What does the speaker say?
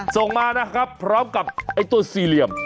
ส่งมานะครับพร้อมกับไอ้ตัวสี่เหลี่ยม